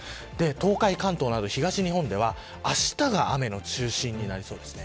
東海、関東など東日本ではあしたが雨の中心になりそうです。